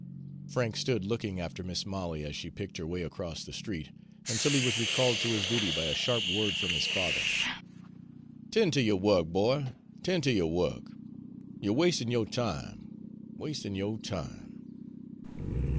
Frank stood looking after Mis' Molly as she picked her way across the street, until he was recalled to his duty by a sharp word from his father. "'Ten' ter yo' wuk, boy, 'ten' ter yo' wuk. You 're wastin' yo' time wastin' yo' time!"